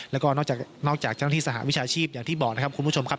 แล้วก็นอกจากเจ้าหน้าที่สหวิชาชีพอย่างที่บอกนะครับคุณผู้ชมครับ